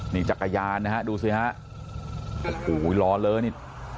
นี่จักรยานนะฮะดูสิฮะโอ้โหล้อเลอนี่